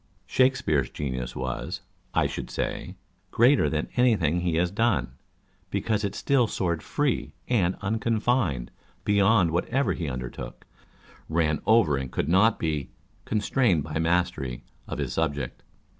Shakespeare's genius was, I should say, greater than any thing he has done, because it still soared free and uncon fined beyond whatever he undertook â€" ran over and could not be " constrained by mastery " of his subject.